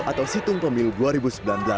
atau situng pemilu dua ribu sembilan belas